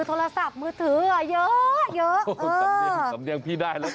โทรศัพท์มือถืออ่ะเยอะเยอะโอ้โหสำเนียงสำเนียงพี่ได้เลย